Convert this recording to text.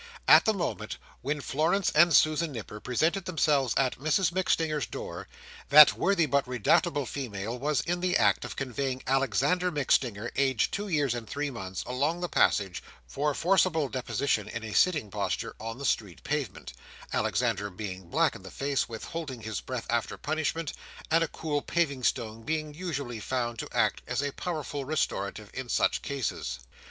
At the moment when Florence and Susan Nipper presented themselves at Mrs MacStinger's door, that worthy but redoubtable female was in the act of conveying Alexander MacStinger, aged two years and three months, along the passage, for forcible deposition in a sitting posture on the street pavement: Alexander being black in the face with holding his breath after punishment, and a cool paving stone being usually found to act as a powerful restorative in such cases.